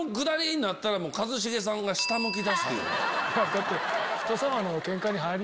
だって。